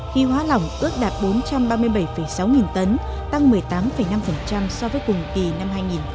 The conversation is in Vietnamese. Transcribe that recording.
khí hóa lỏng ước đạt bốn trăm ba mươi bảy sáu nghìn tấn tăng một mươi tám năm so với cùng kỳ năm hai nghìn một mươi tám